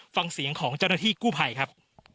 ฟังเสียงของเจ้าหน้าที่กู้ภัยครับ